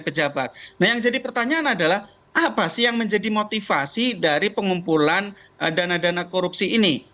nah yang jadi pertanyaan adalah apa sih yang menjadi motivasi dari pengumpulan dana dana korupsi ini